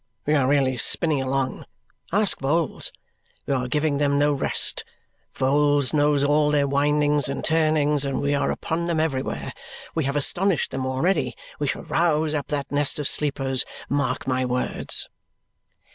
We are really spinning along. Ask Vholes. We are giving them no rest. Vholes knows all their windings and turnings, and we are upon them everywhere. We have astonished them already. We shall rouse up that nest of sleepers, mark my words!"